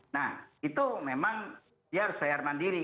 nah itu memang dia harus bayar mandiri